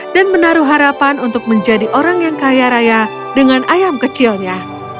dan menaruh harapan untuk menjadi orang yang kaya raya dengan ayam kecilnya